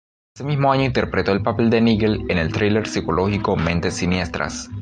Ese mismo año interpretó el papel de "Nigel" en el thriller psicológico, "Mentes Siniestras".